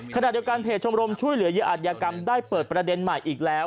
ขณะเดียวกันเพจชมรมช่วยเหลือเหยื่ออัตยกรรมได้เปิดประเด็นใหม่อีกแล้ว